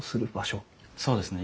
そうですね。